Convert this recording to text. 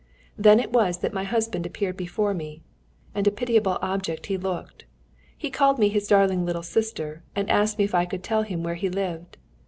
Then it was that my husband appeared before me, and a pitiable object he looked. He called me his darling little sister, and asked me if I could tell him where he lived.